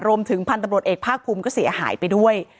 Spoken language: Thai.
พันธุ์ตำรวจเอกภาคภูมิก็เสียหายไปด้วย